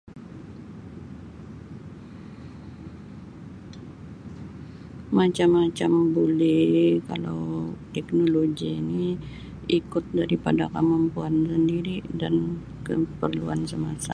Macam-macam bulii kalau teknoloji ni ikut daripada kamampuan sandiri' dan kaparluan samasa'.